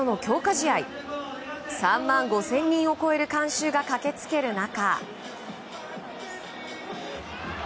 試合３万５０００人を超える観衆が駆けつける中。